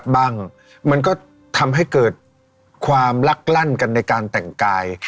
มันก็ทำให้เกิดความลักลั่นกันในการแต่งกาย